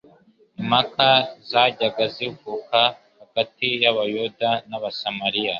Impaka zajyaga zivuka hagati y'Abayuda n'Abasamariya,